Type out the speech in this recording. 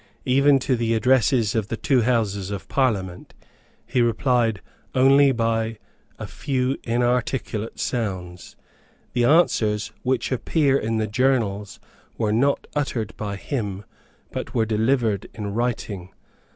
Even to the addresses of the two Houses of Parliament he replied only by a few inarticulate sounds. The answers which appear in the journals were not uttered by him, but were delivered in writing.